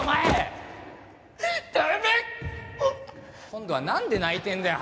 今度はなんで泣いてんだよ